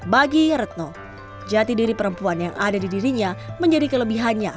bagi retno jati diri perempuan yang ada di dirinya menjadi kelebihannya